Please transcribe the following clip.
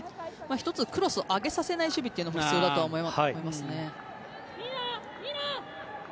１つクロスを上げさせない守備というのも必要だと思いますね。